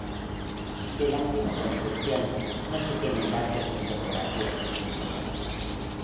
De la antigua construcción no se tienen datos ni fotografías de su interior.